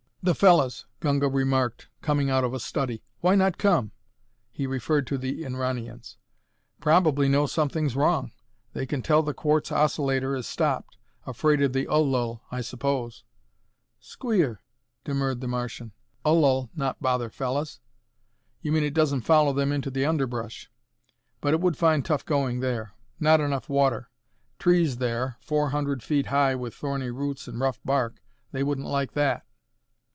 "Th' fellas," Gunga remarked, coming out of a study. "Why not come?" He referred to the Inranians. "Probably know something's wrong. They can tell the quartz oscillator is stopped. Afraid of the Ul lul, I suppose." "'Squeer," demurred the Martian. "Ul lul not bother fellas." "You mean it doesn't follow them into the underbrush. But it would find tough going there. Not enough water; trees there, four hundred feet high with thorny roots and rough bark they wouldn't like that.